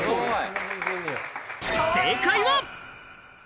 正解は。